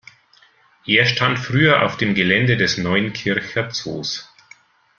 Er stand früher auf dem Gelände des Neunkircher Zoos.